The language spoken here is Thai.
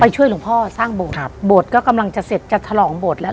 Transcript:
ช่วยหลวงพ่อสร้างโบสถ์ครับโบสถ์ก็กำลังจะเสร็จจะฉลองโบสถแล้ว